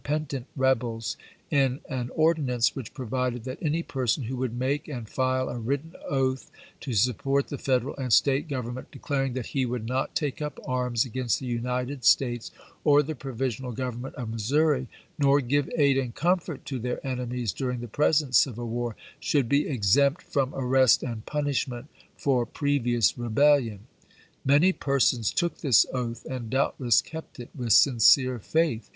pentant rebels, in an ordinance which provided that any person who would make and file a written oath to support the Federal and State Govern ments, declaring that he would not take up arms against the United States or the provisional gov VoL. v.— 7 98 ABEAHAM LINCOLN Chap. V. eminent of Missouri, nor give aid and comfort to tlieii' enemies during the present civil war, should be exempt from arrest and punishment for previ ous rebellion. Many persons took this oath, and doubtless kept it with sincere faith.